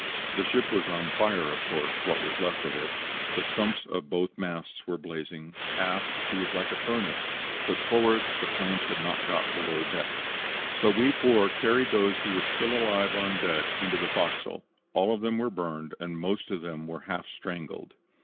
"The ship was on fire, of course, what was left of it. The stumps of both masts were blazing. Aft she was like a furnace, but forward the flames had not got below deck, so we four carried those who were still alive on deck into the fo'c's'l. All of them were burned and most of them were half strangled.